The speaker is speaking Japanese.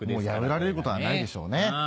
破られることはないでしょうね。